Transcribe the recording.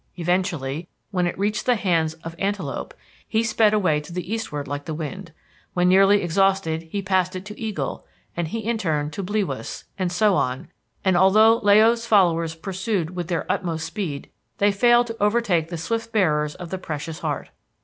Eventually, when it reached the hands of Antelope, he sped away to the eastward like the wind. When nearly exhausted, he passed it on to Eagle, and he in turn to Bliwas, and so on, and although La o's followers pursued with their utmost speed, they failed to overtake the swift bearers of the precious heart.